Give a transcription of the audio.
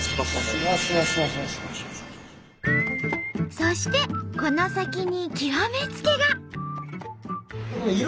そしてこの先に極め付きが。